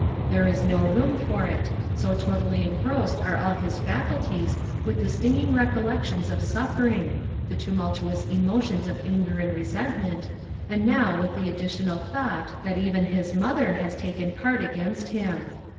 There is no room for it, so totally engrossed are all his faculties with the stinging recollections of suffering, the tumultuous emotions of anger and resentment, and now with the additional thought that even his mother has taken part against him.